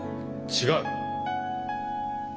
違う。